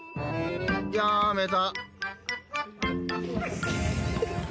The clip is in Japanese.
やーめた！